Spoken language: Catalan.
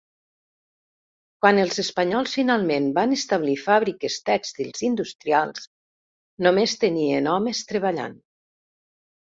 Quan els espanyols finalment van establir fàbriques tèxtils industrials, només tenien homes treballant.